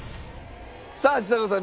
さあちさ子さん